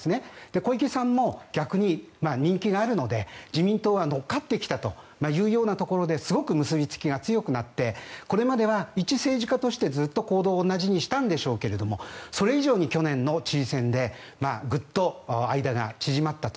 小池さんも逆に人気があるので自民党は乗っかってきたというようなところですごく結びつきが強くなってこれまでは一政治家としてずっと行動を同じにしたんでしょうがそれ以上に去年の知事選でグッと間が縮まったと。